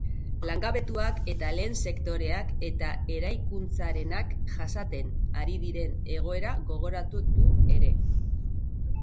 Langabetuak eta lehen sektoreak eta eraikuntzarenak jasaten ari diren egoera gogoratu du ere.